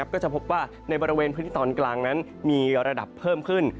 ก็จะพบว่าในบริเวณพื้นที่ตอนกลางนั้นมีระดับเพิ่มขึ้น